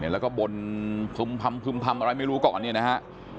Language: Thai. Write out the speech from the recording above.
แล้วก็บนพึ่มพำอะไรไม่รู้ก่อนเนี่ยนะฮะ